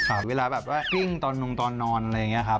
ค่ะเวลาแบบว่าทิ่งตอนโดนนอนอะไรอย่างนี้คะ